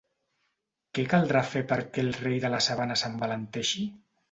Què caldrà fer perquè el rei de la sabana s’envalenteixi?